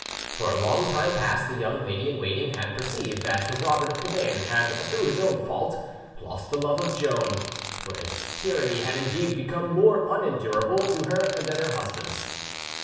For a long time past the young lady in waiting had perceived that Robert of Cabane had, through his own fault, lost the love of Joan; for his tyranny had indeed become more unendurable to her than her husband's.